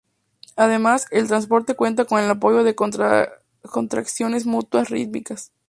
Además, el transporte cuenta con el apoyo de contracciones mutuas rítmicas.